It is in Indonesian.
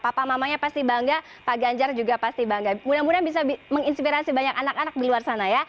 papa mamanya pasti bangga pak ganjar juga pasti bangga mudah mudahan bisa menginspirasi banyak anak anak di luar sana ya